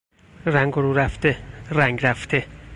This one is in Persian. رنگ و رو رفته، رنگ رفته